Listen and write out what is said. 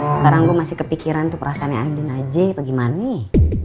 sekarang gue masih kepikiran tuh perasaannya andin aja atau gimana nih